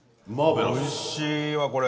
おいしいわこれ。